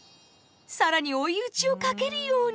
更に追い打ちをかけるように。